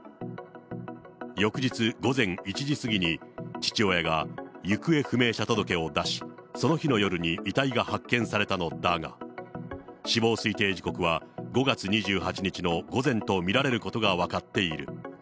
翌日午前１時過ぎに、父親が行方不明者届を出し、その日の夜に遺体が発見されたのだが、死亡推定時刻は５月２８日の午前と見られることが分かっている。